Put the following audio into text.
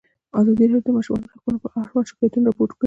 ازادي راډیو د د ماشومانو حقونه اړوند شکایتونه راپور کړي.